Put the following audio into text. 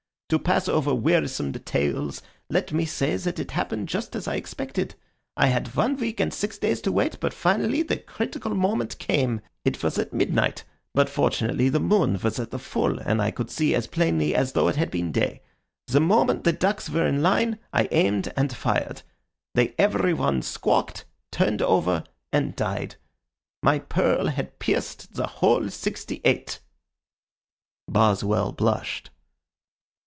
To pass over wearisome details, let me say that it happened just as I expected. I had one week and six days to wait, but finally the critical moment came. It was at midnight, but fortunately the moon was at the full, and I could see as plainly as though it had been day. The moment the ducks were in line I aimed and fired. They every one squawked, turned over, and died. My pearl had pierced the whole sixty eight." Boswell blushed.